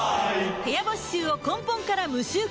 部屋干し臭を根本から無臭化